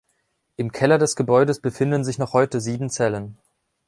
Im Keller des Gebäudes befinden sich noch heute sieben Zellen.